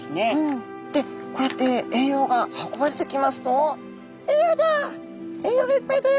でこうやって栄養が運ばれてきますと「栄養だ！栄養がいっぱいだよ」